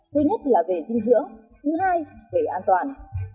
thứ nhất là về dinh dưỡng thứ hai về an toàn